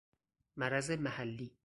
مرض محلی